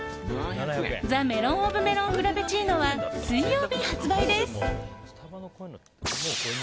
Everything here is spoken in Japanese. Ｔｈｅメロンｏｆメロンフラペチーノは水曜日、発売です。